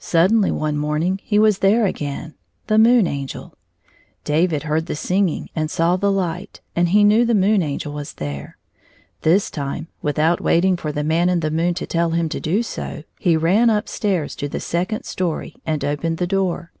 93 Suddenly, one morning, he was there again — the Moon AngeL David heard the singing and saw the hght, and he knew the Moon Angel was there. This time, without waiting for the Man in the moon to tell him to do so, he ran up stairs to the second story and opened the door.